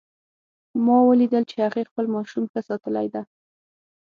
ما ولیدل چې هغې خپل ماشوم ښه ساتلی ده